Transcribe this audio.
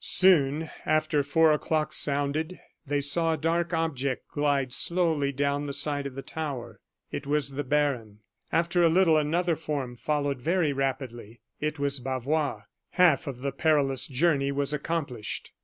Soon after four o'clock sounded they saw a dark object glide slowly down the side of the tower it was the baron. After a little, another form followed very rapidly it was Bavois. Half of the perilous journey was accomplished.